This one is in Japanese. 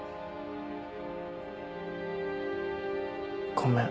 ごめん。